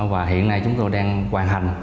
và hiện nay chúng tôi đang hoàn hành